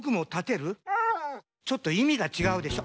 ちょっといみがちがうでしょ。